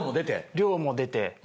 量も出て。